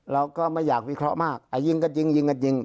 เราก็ไม่อยากวิเคราะห์มากถ้ายิงก็จริง